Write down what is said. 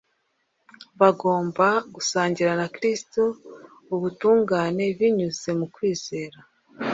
bagomba gusangira na kristo ubutungane binyuze mu kwizera